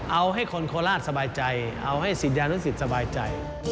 เอาให้คนโคราชสบายใจเอาให้ศิษยานุสิตสบายใจ